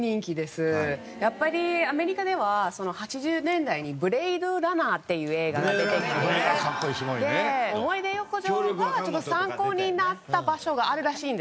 やっぱりアメリカでは。っていう映画が出てきてで思い出横丁が参考になった場所があるらしいんです